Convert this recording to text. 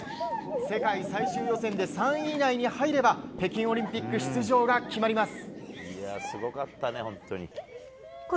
世界最終予選で３位以内に入れば北京オリンピック出場が決まります。